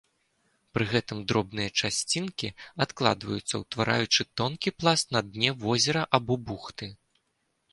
Пры гэтым дробныя часцінкі адкладваюцца, утвараючы тонкі пласт на дне возера або бухты.